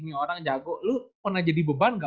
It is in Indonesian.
ini orang jago lu pernah jadi beban gak